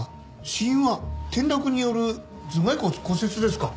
死因は転落による頭蓋骨骨折ですか。